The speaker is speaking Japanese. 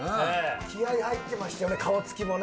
気合い入ってましたよね、顔つきもね。